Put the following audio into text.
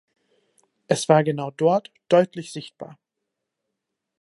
Es war genau dort, deutlich sichtbar!